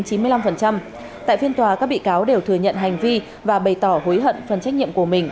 tại phiên tòa các bị cáo đều thừa nhận hành vi và bày tỏ hối hận phần trách nhiệm của mình